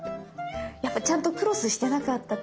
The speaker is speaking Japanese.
やっぱちゃんとクロスしてなかったか